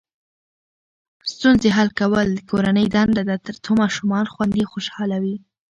ستونزې حل کول د کورنۍ دنده ده ترڅو ماشومان خوندي او خوشحاله وي.